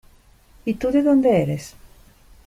Y tú, ¿de dónde eres?